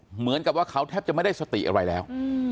เหมือนกับว่าเขาแทบจะไม่ได้สติอะไรแล้ว